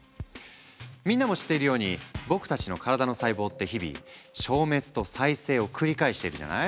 みんなも知っているように僕たちの体の細胞って日々消滅と再生を繰り返しているじゃない？